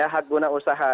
hak guna usaha